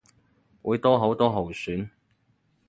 會多好多候選